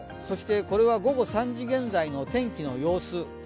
そして、これは午後３時現在の天気の様子。